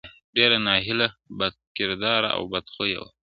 ډېر نا اهله بد کرداره او بد خوی ؤ.